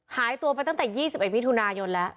หายตัวไปตั้งแต่๒๑มิถุนายนแล้ว